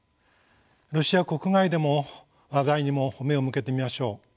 ロシア国外での話題にも目を向けてみましょう。